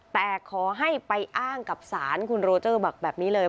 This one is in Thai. แต่ขอให้ไปอ้างกับศาลคุณโรเจอร์บอกแบบนี้เลย